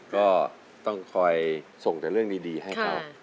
ก็ต้องคอยส่งแต่เรื่องดีให้เขา